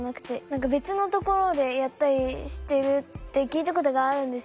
別のところでやったりしてるって聞いたことがあるんですよ。